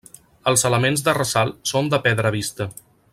Els elements de ressalt són de pedra vista.